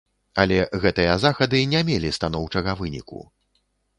Але гэтыя захады не мелі станоўчага выніку.